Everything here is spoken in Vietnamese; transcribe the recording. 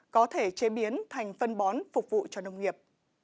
có thể chế biến thành phân bón phục vụ cho nông nghiệp